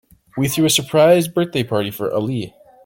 We threw a surprise birthday party for Ali.